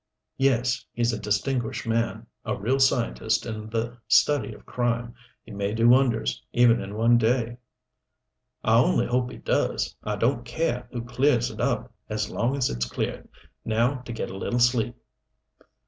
"Yes. He's a distinguished man a real scientist in the study of crime. He may do wonders, even in one day." "I only hope he does! I don't care who clears it up as long as it's cleared. Now to get a little sleep."